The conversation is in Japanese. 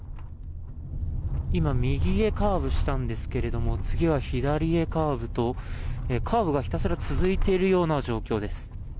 今、右へカーブしたんですけれども次は左へカーブとカーブがひたすら続いているような状況です。